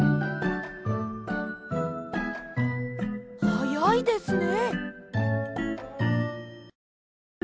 はやいですね！